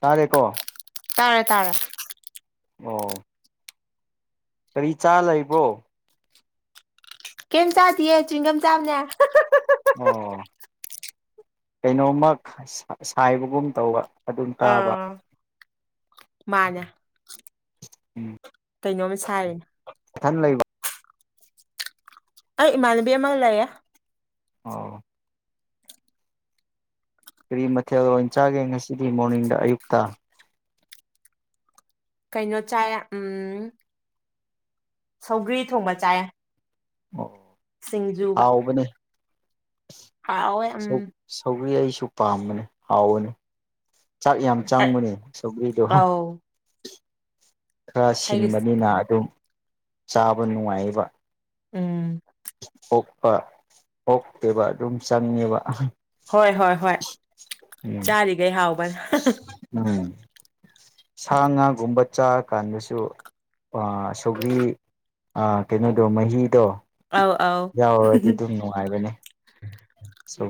ꯇꯥꯔꯦꯀꯣ ꯇꯥꯔꯦ ꯇꯥꯔꯦ ꯑꯣ ꯀꯔꯤ ꯆꯥ ꯂꯩꯕ꯭ꯔꯣ ꯀꯝ ꯆꯥ ꯊꯌꯦ ꯆ꯭ꯤꯡꯒꯝ ꯆꯥꯕꯅꯦ ꯑꯣ ꯀꯩꯅꯣꯝꯃ ꯁꯥꯏꯕꯒꯨꯝ ꯇꯧꯕ ꯑꯗꯨꯝ ꯇꯥꯕ ꯑꯥ ꯃꯥꯅꯦ ꯀꯩꯅꯣꯝꯃ ꯁꯥꯏꯔꯤꯅ ꯀꯊꯅ ꯂꯩꯕ ꯑꯩ ꯃꯥꯅꯕꯤꯑꯃ ꯂꯧꯌꯦ ꯑꯣ ꯀꯔꯤ ꯃꯊꯦꯜ ꯂ ꯑꯣꯏꯅ ꯆꯥꯒꯦ ꯉꯁꯤꯗꯤ ꯃꯣꯔꯅꯤꯡꯗ ꯑꯌꯨꯛꯇ ꯀꯩꯅꯣ ꯆꯥꯏ ꯎꯝ ꯁꯧꯒ꯭ꯔꯤ ꯊꯣꯡꯕ ꯆꯥꯏ ꯍꯥꯎꯕꯅꯦ ꯍꯥꯎꯋꯦ ꯎꯝ ꯁꯧꯒ꯭ꯔꯤ ꯑꯩꯁꯨ ꯄꯥꯝꯕꯅꯦ ꯍꯥꯎꯕꯅꯤ ꯆꯥꯛ ꯌꯥꯝ ꯑꯦ ꯆꯪꯕꯅꯦ ꯁꯧꯒ꯭ꯔꯤꯗꯣ ꯑꯧ ꯈꯔ ꯑꯩꯒꯤ ꯁꯤꯟꯕꯅꯤꯅ ꯑꯗꯨꯝ ꯆꯥꯕ ꯅꯨꯡꯉꯥꯏꯕ ꯎꯝ ꯄꯣꯛꯄ ꯄꯇꯦꯕ ꯑꯗꯨꯝ ꯆꯪꯉꯦꯕ ꯍꯣꯏ ꯍꯣꯏ ꯍꯣꯏ ꯎꯝ ꯆꯥꯔꯤꯈꯩ ꯍꯥꯎꯕꯅꯦ ꯎꯝ ꯁꯥ ꯉꯥꯒꯨꯝꯕ ꯆꯥꯔꯀꯥꯟꯗꯁꯨ ꯁꯧꯒ꯭ꯔꯤ ꯀꯩꯅꯣꯗꯣ ꯃꯍꯤꯗꯣ ꯑꯧ ꯑꯧ ꯌꯥꯎꯔꯔꯗꯤ ꯑꯗꯨꯝ ꯅꯨꯡꯉꯥꯏꯕꯅꯦ ꯁ